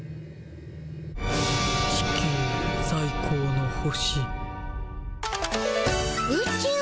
地球さい高の星。